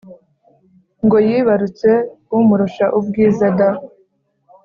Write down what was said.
ngo yibarutse umurusha ubwiza da!